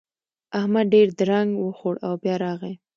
احمد ډېر درنګ وخوړ او بيا راغی.